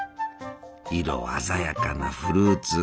色鮮やかなフルーツ！